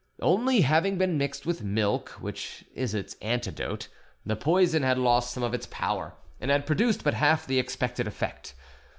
Only, having been mixed with milk, which is its antidote, the poison had lost some of its power, and had produced but half the expected effect.